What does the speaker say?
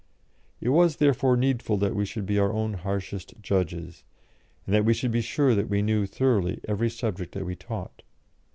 It was, therefore, needful that we should be our own harshest judges, and that we should be sure that we knew thoroughly every subject that we taught.